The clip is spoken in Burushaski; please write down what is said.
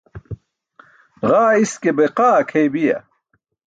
Ġaa iske be qaa akʰeybiya.